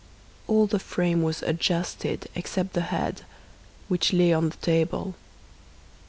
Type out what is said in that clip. All the frame was adjusted except the head, which lay on the table.